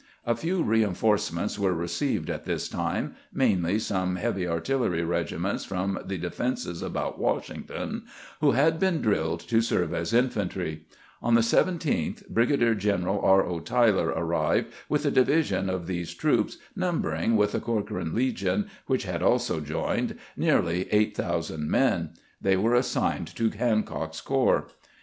A few reinforcements were received at this time, mainly some heavy artillery regiments from the defenses about Washington, who had been drilled to serve as infantry. On the 17th Brigadier general R. O. Tyler arrived with a division of these troops, number ing, with the Corcoran Legion, which had also joined, nearly 8000 men. They were assigned to Hancock's corps.